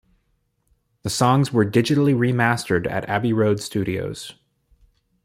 The songs were digitally remastered at Abbey Road studios.